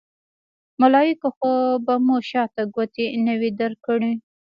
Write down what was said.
ملایکو خو به مو شاته ګوتې نه وي درکړې.